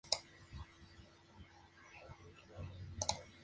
Casi una de cada dos películas es nueva, exclusiva y reciente.